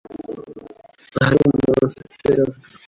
Hari umuntu ufite icyo avuga?